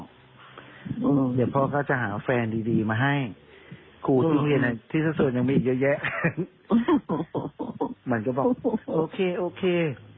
เดี๋ยวพ่อก็จะหาแฟนดีดีมาให้ที่สักส่วนยังมีเยอะแยะมันก็บอกโอเคโอเค